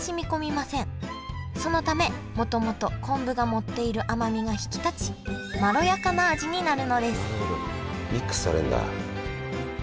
そのためもともと昆布が持っている甘みが引き立ちまろやかな味になるのですなるほどミックスされるんだ。